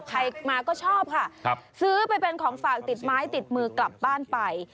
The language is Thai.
ใครมาก็ชอบค่ะซื้อไปเป็นของฝากติดไม้ติดมือกลับบ้านไป